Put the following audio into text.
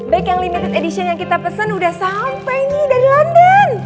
back yang limited edition yang kita pesen udah sampai nih dari london